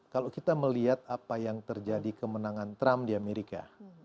kalau kita melihat apa yang terjadi kemenangan trump di amerika